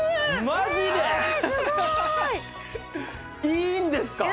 いいんですか？